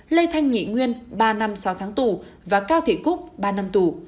lê thanh nhị nguyên ba năm sáu tháng tù và cao thị cúc ba năm tù